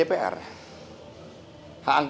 haket ini adalah hak warga negara